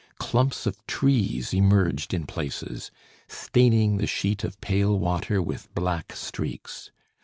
Clumps of trees emerged in places, staining the sheet of pale water with black streaks.